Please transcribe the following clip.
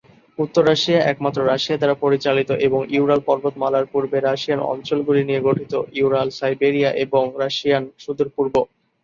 উত্তর এশিয়া একমাত্র রাশিয়া দ্বারা পরিচালিত, এবং ইউরাল পর্বতমালার পূর্বে রাশিয়ান অঞ্চলগুলি নিয়ে গঠিত: ইউরাল, সাইবেরিয়া এবং রাশিয়ান সুদূর পূর্ব।